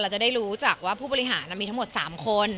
จะได้รู้จักว่าผู้บริหารมีทั้งหมด๓คน